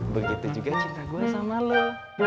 begitu juga cinta gue sama lo